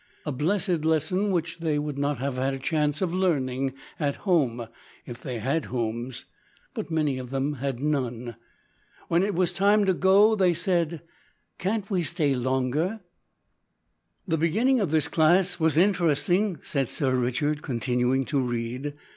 A blessed lesson which they would not have had a chance of learning at home if they had homes; but many of them had none. When it was time to go they said `Can't we stay longer?' "The beginning of this class was interesting," said Sir Richard, continuing to read.